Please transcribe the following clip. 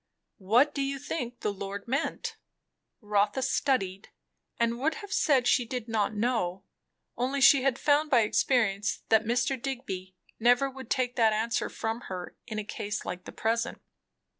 "What do you think the Lord meant?" Rotha studied, and would have said she "did not know," only she had found by experience that Mr. Digby never would take that answer from her in a case like the present.